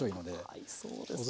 合いそうですね。